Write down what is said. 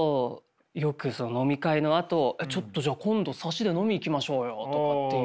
よく飲み会のあと「ちょっとじゃあ今度サシで飲み行きましょうよ！」とかっていう。